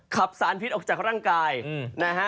สารพิษออกจากร่างกายนะฮะ